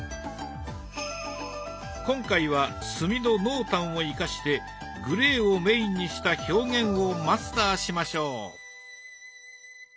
今回は墨の濃淡を生かしてグレーをメインにした表現をマスターしましょう。